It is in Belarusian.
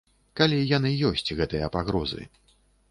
Калі яны ёсць, гэтыя пагрозы.